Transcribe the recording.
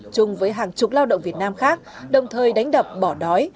chung với hàng chục lao động việt nam khác đồng thời đánh đập bỏ đói